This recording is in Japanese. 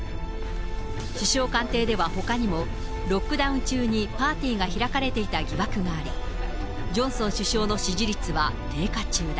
首相官邸ではほかにも、ロックダウン中にパーティーが開かれていた疑惑があり、ジョンソン首相の支持率は低下中だ。